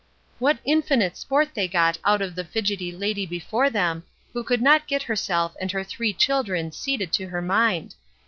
What infinite sport they got out of the fidgety lady before them, who could not get herself and her three children seated to her mind!